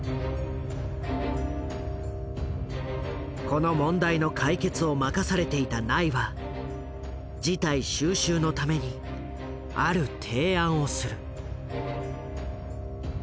この問題の解決を任されていたナイは事態収拾のためにある提案をする。